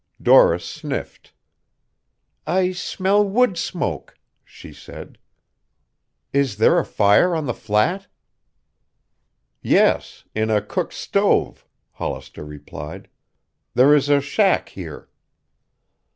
Doris sniffed. "I smell wood smoke," she said. "Is there a fire on the flat?" "Yes, in a cook's stove," Hollister replied. "There is a shack here."